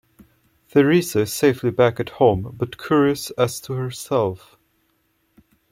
Theresa is safely back at home, but curious as to herself.